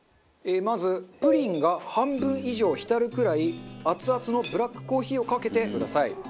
まずプリンが半分以上浸るくらいアツアツのブラックコーヒーをかけてください。